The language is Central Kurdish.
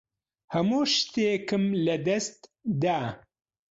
هەموو شتێکم لەدەست دا.